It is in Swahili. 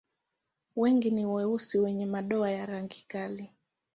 Wengi ni weusi wenye madoa ya rangi kali.